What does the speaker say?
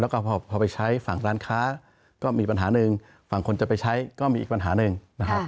แล้วก็พอไปใช้ฝั่งร้านค้าก็มีปัญหาหนึ่งฝั่งคนจะไปใช้ก็มีอีกปัญหาหนึ่งนะครับ